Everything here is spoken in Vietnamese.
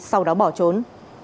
sau đó bỏ trốn